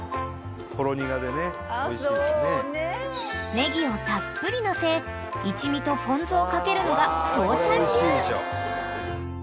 ［ネギをたっぷりのせ一味とポン酢を掛けるのが父ちゃん流］